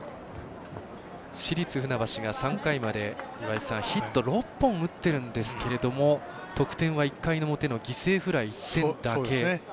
市立船橋が３回までヒット６本打っているんですが得点は１回の表の犠牲フライでの１点だけ。